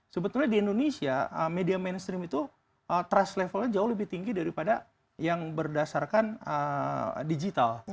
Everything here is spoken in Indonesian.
sebetulnya di indonesia media mainstream itu trust levelnya jauh lebih tinggi daripada yang berdasarkan digital